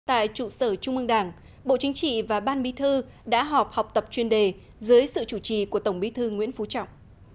tại trụ sở trung ương đảng bộ chính trị và ban bí thư đã họp học tập chuyên đề dưới sự chủ trì của tổng bí thư nguyễn phú trọng